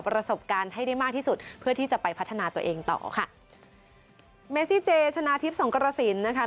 ประสบการณ์ให้ได้มากที่สุดเพื่อที่จะไปพัฒนาตัวเองต่อค่ะเมซิเจชนะทิพย์สงกรสินนะคะ